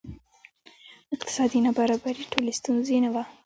اقتصادي نابرابري ټولې ستونزې نه وه.